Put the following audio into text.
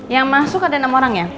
yang masuk ada enam orang ya